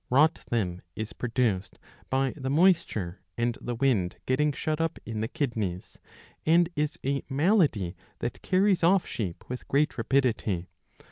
^" Rot then is produced by the m'oisture and the wind getting shut up in the .kidneys, and is a malady that carries off sheep with great rapidity.